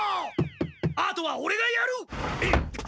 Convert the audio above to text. あとはオレがやる！